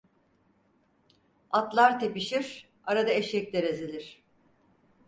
Atlar tepişir, arada eşekler ezilir.